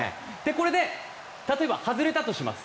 これで例えば、外れたとします。